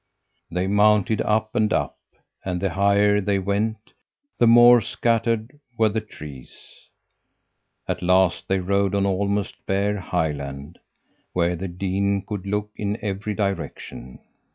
"They mounted up and up, and the higher they went the more scattered were the trees. At last they rode on almost bare highland, where the dean could look in every direction.